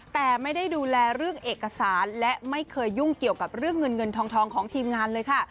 แต่ไม่ได้ดูแลเรื่องเอกสารและไม่เคยยุ่งเกี่ยวกับเรื่องเงินเงินทองของทีมงานเลยค่ะ